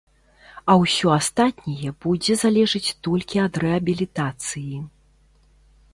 А ўсё астатняе будзе залежыць толькі ад рэабілітацыі.